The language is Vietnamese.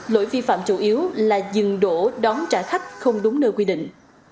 lỗi vi phạm chủ yếu là dừng đổ đón trả khách không đúng nơi quy định